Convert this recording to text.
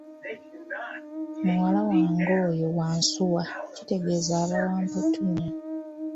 Muwala wange oyo wansuwa kitegeza aba wa mputtu nnyo.